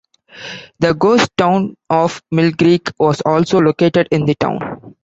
The ghost town of Mill Creek was also located in the town.